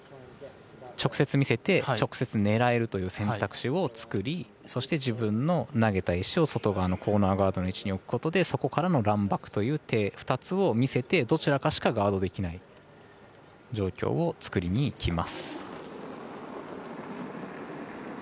直接見せて、直接狙えるという選択肢を作り、自分の投げた石を外側のコーナーガードの位置に置くことでそこからのランバックという手、２つを見せてどちらかしかガードできない状況を作りにいきます。